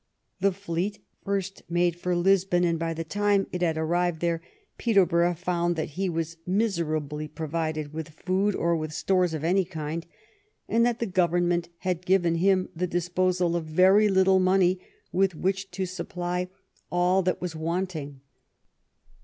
The fleet first made for Lisbon, and by the time it had arrived there Peterborough found that he was misera bly provided with food or with stores of any kind, and that the government had given him the disposal of very little money with which to supply all that was wanting.